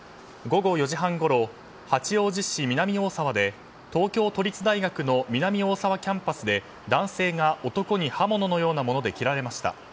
午後４時半ごろ八王子市南大沢で東京都立大学の南大沢キャンパスで男性が男に刃物のようなもので切られました。